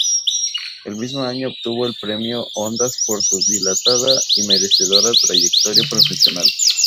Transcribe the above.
Ese mismo año obtuvo el Premio Ondas por su dilatada y merecedora trayectoria profesional.